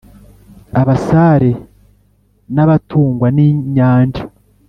Abasare n abatungwa n inyanja